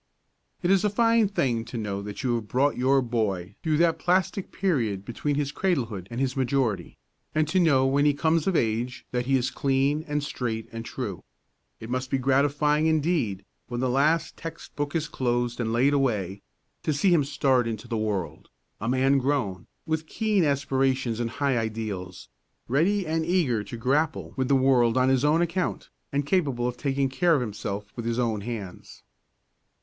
It is a fine thing to know that you have brought your boy through that plastic period between his cradle hood and his majority, and to know when he comes of age that he is clean and straight and true. It must be gratifying indeed, when the last text book is closed and laid away, to see him start into the world, a man grown, with keen aspirations and high ideals, ready and eager to grapple with the world on his own account, and capable of taking care of himself with his own hands.